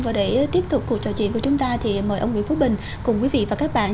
và để tiếp tục cuộc trò chuyện của chúng ta thì mời ông nguyễn phú bình cùng quý vị và các bạn